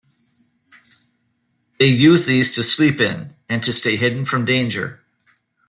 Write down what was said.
They use these to sleep in and to stay hidden from danger.